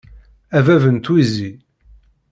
A bab n twizi.